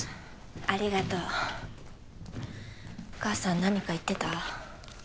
ありがとうお母さん何か言ってた？